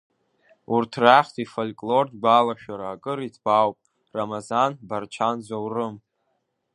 Урҭ рахьтә ифольклортә гәалашәара акыр иҭбаауп рамазан Барчан Зоурым.